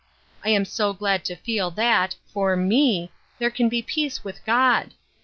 I am so glad to feel that, for me^ there can be peace j* ith God !